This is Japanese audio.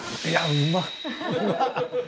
うまっ。